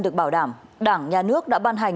được bảo đảm đảng nhà nước đã ban hành